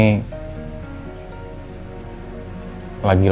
tujuan aku datang kesini